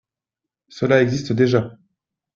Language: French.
Cela existe déjà